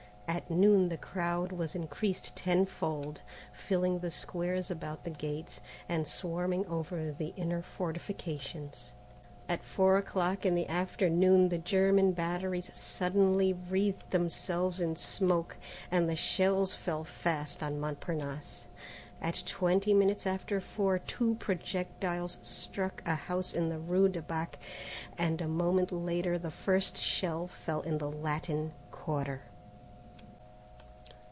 At noon the crowd was increased ten fold, filling the squares about the gates, and swarming over the inner fortifications. At four o'clock in the afternoon the German batteries suddenly wreathed themselves in smoke, and the shells fell fast on Montparnasse. At twenty minutes after four two projectiles struck a house in the rue de Bac, and a moment later the first shell fell in the Latin Quarter.